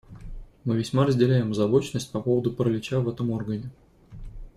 Мы весьма разделяем озабоченность по поводу паралича в этом органе.